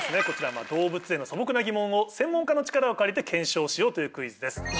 こちらは動物への素朴な疑問を専門家の力を借りて検証しようというクイズです。